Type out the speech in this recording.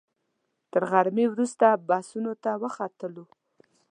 تر غرمې وروسته بسونو ته وختلو.